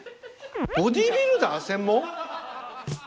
ボディービルダー専門？